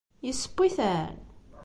Yesseww-iten?